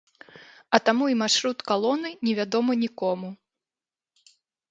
А таму і маршрут калоны не вядомы нікому.